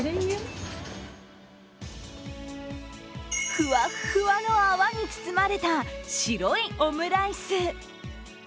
ふわっふわの泡に包まれた白いオムライス。